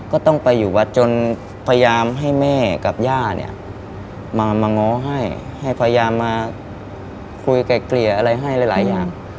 ก็ต้องไปอยู่วัดจนพยายามให้แม่ยากับย่ามาง้อให้ประยามมาคุยกระเกลียมาให้ก็ไม่ได้